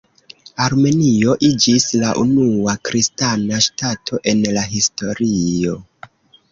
Armenio iĝis la unua kristana ŝtato en la historio.